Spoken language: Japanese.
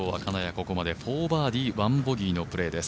ここまで４バーディー１ボギーのプレーです。